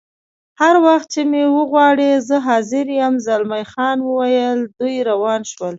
هر وخت چې مې وغواړې زه حاضر یم، زلمی خان وویل: دوی روان شول.